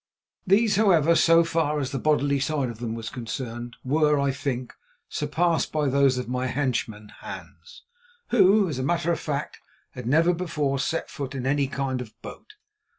These, however, so far as the bodily side of them was concerned, were, I think, surpassed by those of my henchman Hans, who, as a matter of fact, had never before set foot in any kind of boat.